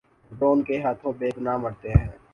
Drone کے ہاتھوں بے گناہ مرتے ہیں۔